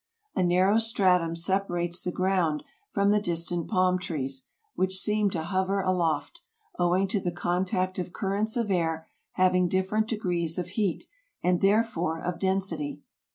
A narrow stratum separates the ground from the distant palm trees, which seem to hover aloft, owing to the contact of currents of air having different de grees of heat, and therefore of density.